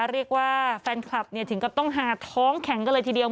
เรียกว่าแฟนคลับถึงกับต้องหาท้องแข็งกันเลยทีเดียว